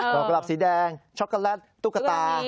อกกระดับสีแดงช็อกโกแลตตุ๊กตา